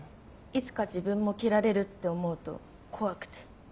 いつか自分も切られるって思うと怖くて。